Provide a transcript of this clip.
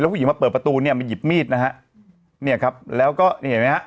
ผู้หญิงมาเปิดประตูเนี่ยมาหยิบมีดนะฮะเนี่ยครับแล้วก็นี่เห็นไหมฮะ